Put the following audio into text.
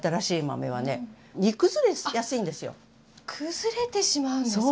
崩れてしまうんですか。